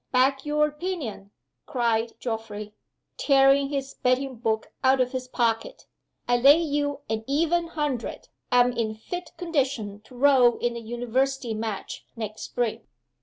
"Back your opinion!" cried Geoffrey, tearing his betting book out of his pocket. "I lay you an even hundred I'm in fit condition to row in the University Match next spring."